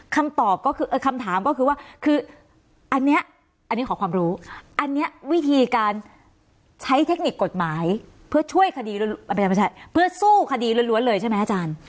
คำตอบก็คือคำถามก็คือว่าคืออันนี้อันนี้ขอความรู้อันนี้วิธีการใช้เทคนิคกฎหมายเพื่อช่วยคดีอาจารย์ประชาเพื่อสู้คดีล้วนเลยใช่ไหมอาจารย์